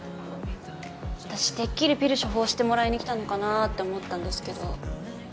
私てっきりピル処方してもらいに来たのかなって思ったんですけど。